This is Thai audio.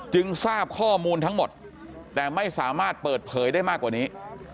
ทราบข้อมูลทั้งหมดแต่ไม่สามารถเปิดเผยได้มากกว่านี้